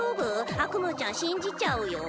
アクムーちゃん信じちゃうよ。